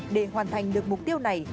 để hoàn thành được mục tiêu này